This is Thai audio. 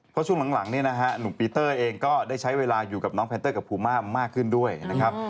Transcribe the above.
เพราะช่วงหลังเนี่ยนะฮะหนุ่มปีเตอร์เองก็ได้ใช้เวลาอยู่กับน้องแพนเตอร์กับภูมามากขึ้นด้วยนะครับ